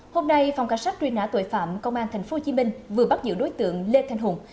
hôm nay phòng cảnh sát truy nã tội phạm công an tp hcm vừa bắt giữ đối tượng lê thanh hùng